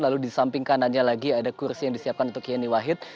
lalu di samping kanannya lagi ada kursi yang disiapkan untuk yeni wahid